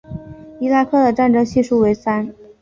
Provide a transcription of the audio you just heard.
伊拉克的战争系数为三。